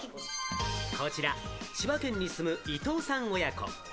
こちら千葉県に住む伊藤さん親子。